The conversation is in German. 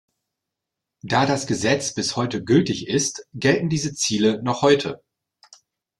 Da das Gesetz bis heute gültig ist, gelten diese Ziele noch heute.